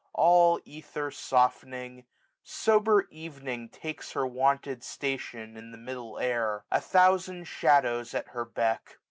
All ether softening, sober Evening takes Her wonted station in the middle air ; A thousand shadows at her beck.